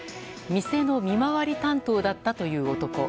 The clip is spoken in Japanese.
店の見回り担当だったという男。